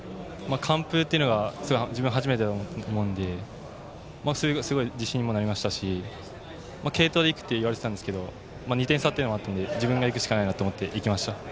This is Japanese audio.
完封が自分は初めてだと思うのですごい自信にもなりましたし継投でいくと言われていたんですけど２点差というのもあったので自分がいくしかないなと思って投げました。